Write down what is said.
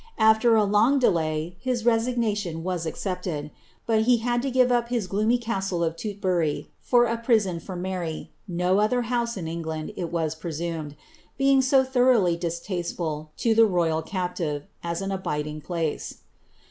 After a long delay, his resignation was aecepied ; but he had to give i:p his gloomv castle of Tulburv, for a prison for Mary, no other house in England, it was presumed, being so (horouglily distasteful to the roval captive, as an abiding place.'